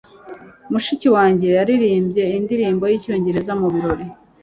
Mushiki wanjye yaririmbye indirimbo yicyongereza mubirori.